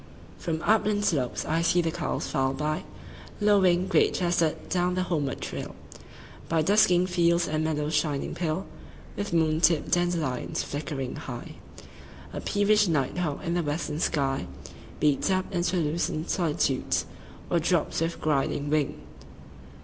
1From upland slopes I see the cows file by,2Lowing, great chested, down the homeward trail,3By dusking fields and meadows shining pale4With moon tipped dandelions. Flickering high,5A peevish night hawk in the western sky6Beats up into the lucent solitudes,7Or drops with griding wing.